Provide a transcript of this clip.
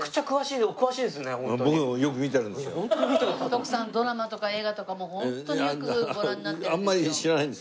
徳さんドラマとか映画とかも本当によくご覧になってるんですよ。